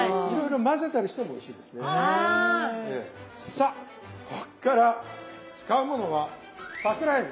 さあここから使うものは桜えび。